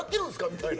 みたいな。